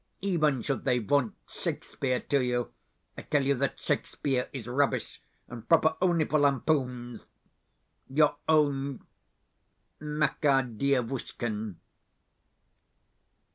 Even should they vaunt Shakespeare to you, I tell you that Shakespeare is rubbish, and proper only for lampoons Your own, MAKAR DIEVUSHKIN.